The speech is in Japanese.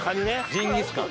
ジンギスカン。